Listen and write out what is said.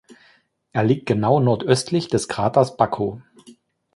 Er liegt genau nordöstlich des Kraters Baco.